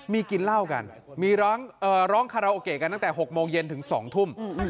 มีกินเหล้ากันมีร้องคาราโอเกะกันตั้งแต่๖โมงเย็นถึง๒ทุ่ม